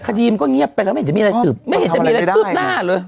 คดีมันก็เงียบไปแล้วไม่เห็นจะมีอะไรสืบไม่เห็นจะมีอะไรคืบหน้าเลย